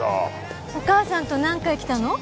お母さんと何回来たの？